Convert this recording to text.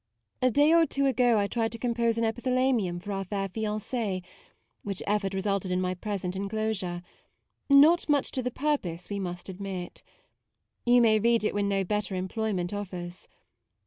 A day or two ago I tried to compose an epithalamium for our fair fiancee ; which effort resulted in my present enclosure : not much to the purpose, we must admit. You may read it when no better employment offers.